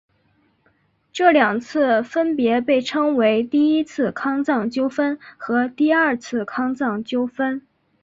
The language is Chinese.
这两次分别被称为第一次康藏纠纷和第二次康藏纠纷。